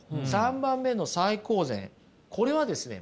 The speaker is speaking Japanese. ３番目の最高善これはですね